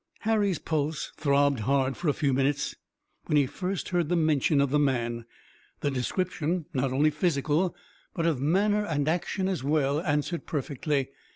Harry's pulse throbbed hard for a few moments, when he first heard mention of the man. The description, not only physical, but of manner and action as well, answered perfectly.